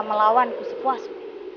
melawan ku sepuasmu